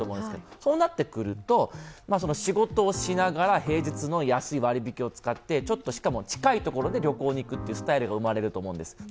そうなってくると、仕事しながら平日の安い割り引きを使ってしかも近いところに旅行に行くというスタイルが生まれると思うんです。